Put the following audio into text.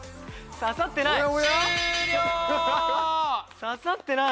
刺さってない！